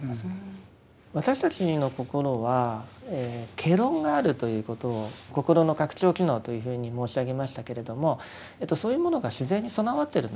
私たちの心は戯論があるということを心の拡張機能というふうに申し上げましたけれどもそういうものが自然に備わってるんだと思います。